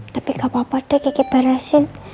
tapi gapapa deh kiki barasin